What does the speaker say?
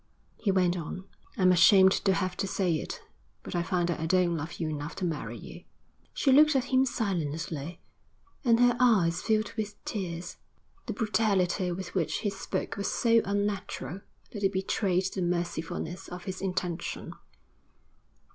He went on. 'I'm ashamed to have to say it; I find that I don't love you enough to marry you.' She looked at him silently, and her eyes filled with tears. The brutality with which he spoke was so unnatural that it betrayed the mercifulness of his intention.